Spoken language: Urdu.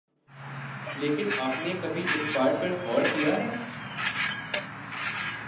لیکن آپ نے کبھی اس بات پر غور کیا ہے